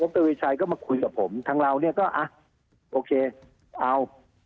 ทวีชัยก็มาคุยกับผมทางเราเนี่ยก็อ่ะโอเคเอา